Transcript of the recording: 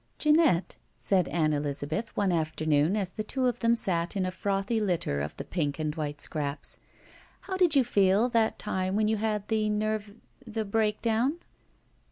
"Jeanette," said Ann Elizabeth, one afternoon as the two of them sat in a frothy litter of the piok and white scraps, "how did you feel that time when you had the nerv — ^the breakdown?"